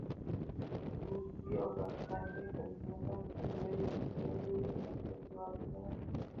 روسیې او برټانیې په نولسمه پېړۍ کې دوه لوی رقیب هېوادونه وو.